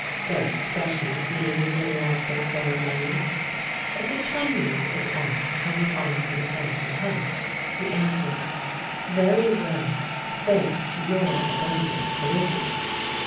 Their expressions mean as little as their ceremonies. If a Chinese is asked how he finds himself in health, he answers, Very well; thanks to your abundant felicity.